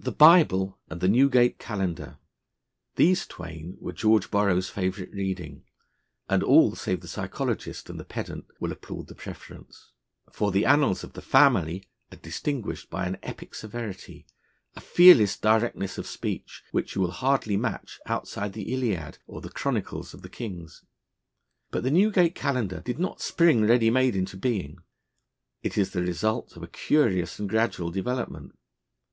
The Bible and the Newgate Calendar these twain were George Borrow's favourite reading, and all save the psychologist and the pedant will applaud the preference. For the annals of the 'family' are distinguished by an epic severity, a fearless directness of speech, which you will hardly match outside the Iliad or the Chronicles of the Kings. But the Newgate Calendar did not spring ready made into being: it is the result of a curious and gradual development.